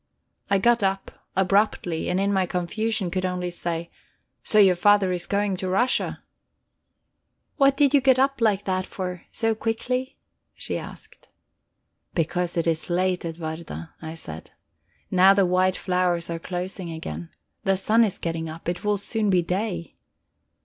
I got up abruptly, and, in my confusion, could only say: "So your father is going to Russia?" "What did you get up like that for, so quickly?" she asked. "Because it is late, Edwarda," I said. "Now the white flowers are closing again. The sun is getting up; it will soon be day."